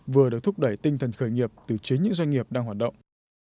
vừa được thúc đẩy tinh thần khởi nghiệp từ chính những doanh nghiệp đang hoạt động